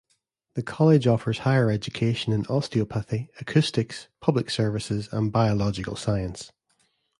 The college offers higher education in Osteopathy, Acoustics, Public Services and Biological Science.